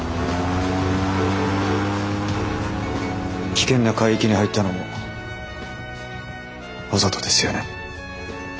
危険な海域に入ったのもわざとですよね？